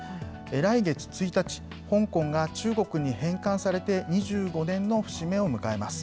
来月１日、香港が中国に返還されて２５年の節目を迎えます。